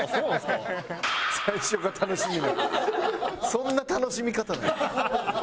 そんな楽しみ方なんだ。